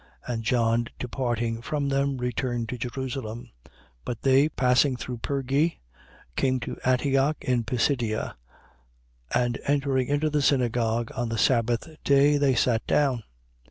And John departing from them, returned to Jerusalem. 13:14. But they, passing through Perge, came to Antioch in Pisidia: and, entering into the Synagogue on the sabbath day, they sat down.